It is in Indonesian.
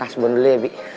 kas bon dulu ya bi